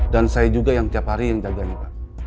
dan saya juga yang tiap hari yang jagain pak